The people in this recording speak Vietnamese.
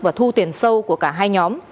và thu tiền sâu của cả hai nhóm